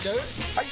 ・はい！